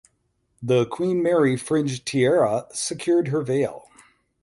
The Queen Mary Fringe Tiara secured her veil.